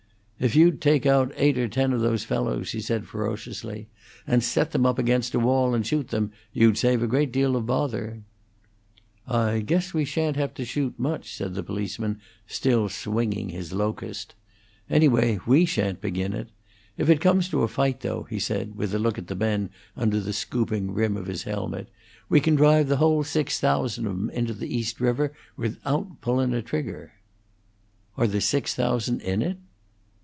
"If you'd take out eight or ten of those fellows," he said, ferociously, "and set them up against a wall and shoot them, you'd save a great deal of bother." "I guess we sha'n't have to shoot much," said the policeman, still swinging his locust. "Anyway, we shant begin it. If it comes to a fight, though," he said, with a look at the men under the scooping rim of his helmet, "we can drive the whole six thousand of 'em into the East River without pullin' a trigger." "Are there six thousand in it?"